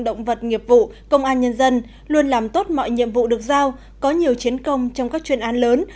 động vật nghiệp vụ công an nhân dân luôn làm tốt mọi nhiệm vụ được giao có nhiều chiến công trong các chuyên án lớn